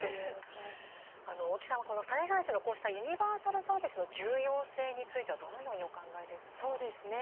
大木さんは、この災害時のこうしたユニバーサルサービスの重要性についてはどのようにお考えですか。